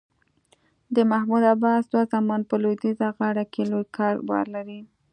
د محمود عباس دوه زامن په لویدیځه غاړه کې لوی کاروبار لري.